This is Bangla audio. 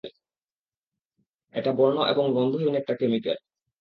এটা বর্ণ এবং গন্ধহীন একটা কেমিকেল।